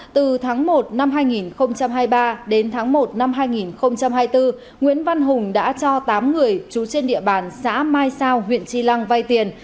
từ tháng một năm hai nghìn hai mươi ba đến tháng một năm hai nghìn hai mươi bốn nguyễn văn hùng đã cho tám người trú trên địa bàn xã mai sao huyện tri lăng vay tiền